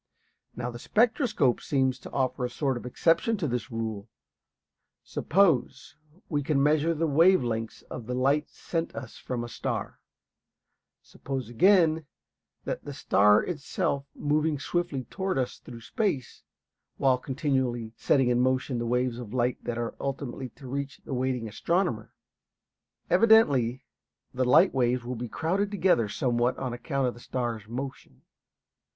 Now the spectroscope seems to offer a sort of exception to this rule. Suppose we can measure the wave lengths of the light sent us from a star. Suppose again that the star is itself moving swiftly toward us through space, while continually setting in motion the waves of light that are ultimately to reach the waiting astronomer. Evidently the light waves will be crowded together somewhat on account of the star's motion.